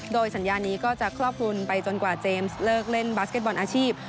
โดยสัญญานี้ก็จะครอบคลุมไปจนกว่าเจมส์เลิกเล่นบาสเก็ตบอลอาชีพ